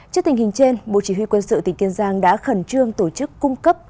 trước tình hình trên bộ chỉ huy quân sự tỉnh kiên giang đã khẩn trương tổ chức cung cấp